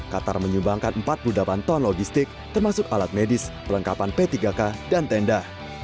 qatar menyumbangkan empat puluh delapan ton logistik termasuk alat medis perlengkapan p tiga k dan tenda